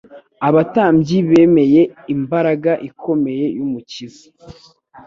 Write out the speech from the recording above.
Abatambyi bemeye imbaraga ikomeye y'Umukiza.